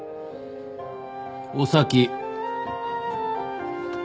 お先！